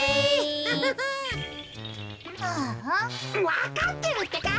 わかってるってか！